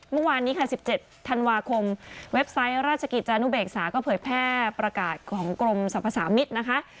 เมื่อวานนี้ค่ะ๑๗ธันวาคมเว็บไซต์ราชกิจจานุเบกษาก็เผยแพร่ประกาศของกรมสรรพสามิตรนะคะ